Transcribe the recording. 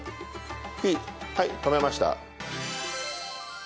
火はい止めました。